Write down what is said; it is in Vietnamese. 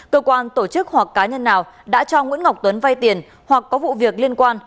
cơ quan tổ chức hoặc cá nhân nào đã cho nguyễn ngọc tuấn vay tiền hoặc có vụ việc liên quan